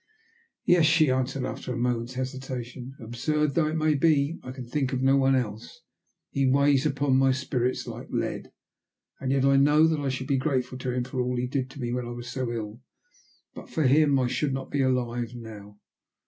"Yes," she answered after a moment's hesitation. "Absurd though it may be, I can think of no one else. He weighs upon my spirits like lead, and yet I know that I should be grateful to him for all he did for me when I was so ill. But for him I should not be alive now."